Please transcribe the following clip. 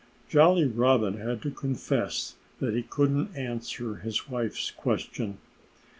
Jolly Robin had to confess that he couldn't answer his wife's question.